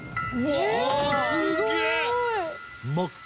うわっ。